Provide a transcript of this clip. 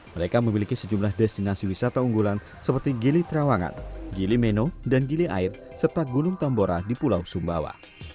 mereka memiliki sejumlah destinasi wisata unggulan seperti gili trawangan gili meno dan gili air serta gunung tambora di pulau sumbawa